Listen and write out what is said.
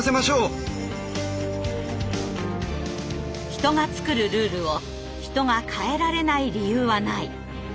人が作るルールを人が変えられない理由はない。